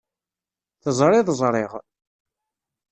Teẓriḍ ẓṛiɣ.